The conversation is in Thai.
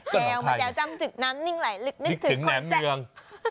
แจ้วมาแจ้วจ้ำจึกน้ำนิ่งไหล่ลึกนึกถึงนึกถึงแหน่มเนือง